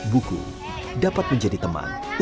buku dapat menjadi teman untuk memperoleh karya